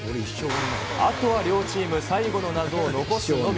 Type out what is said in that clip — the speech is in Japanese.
あとは両チーム、最後の謎を残すのみ。